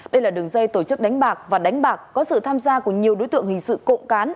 đây là đường dây tổ chức đánh bạc và đánh bạc có sự tham gia của nhiều đối tượng hình sự cộng cán